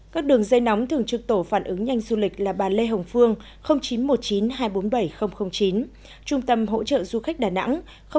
các đường dây nóng thường trực tổ phản ứng nhanh du lịch là bà lê hồng phương chín trăm một mươi chín hai trăm bốn mươi bảy chín trung tâm hỗ trợ du khách đà nẵng hai trăm ba mươi sáu ba trăm năm mươi năm một trăm một mươi một